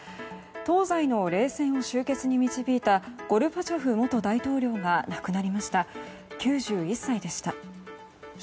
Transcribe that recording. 東西の冷戦を終結に導いたゴルバチョフ元大統領が亡くなりました、９１歳でした。